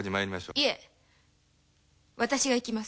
いえ私が行きます。